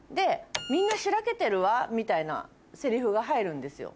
「みんなしらけてるわ」みたいなセリフが入るんですよ。